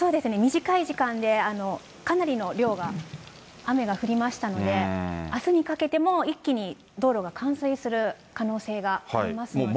短い時間でかなりの量が、雨が降りましたので、あすにかけても一気に道路が冠水する可能性がありますので。